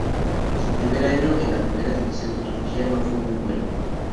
Su primer año en la Primera División de Turquía no fue muy bueno.